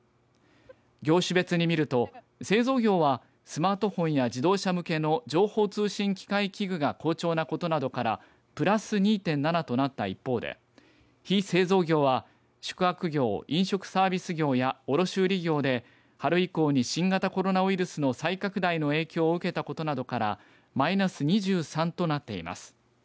業種別にみると製造業はスマートフォンや自動車向けの情報通信機械器具が好調なことなどからプラス２．７となった一方で非製造業は宿泊業・飲食サービス業や卸売業で春以降に新型コロナウイルスの再拡大の影響を受けたことなどからマイナス２３となっています。